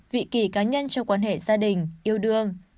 vị kỳ cá nhân trong quan hệ gia đình yêu đương